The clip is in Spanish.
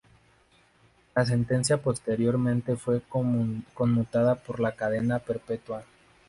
La sentencia posteriormente fue conmutada por la cadena perpetua.